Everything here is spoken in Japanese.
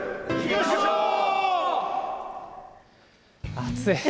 暑い。